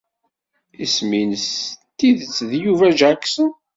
Isem-nnes n tidet d Yuba Jackson.